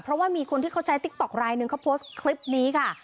เพราะว่ามีคนที่เขาใช้ติ๊กต๊อกลายหนึ่งเขาโพสต์คลิปนี้ค่ะ